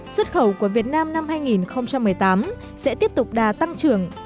xuất khẩu của việt nam năm hai nghìn một mươi tám sẽ tiếp tục đà tăng trưởng